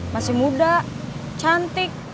masih muda cantik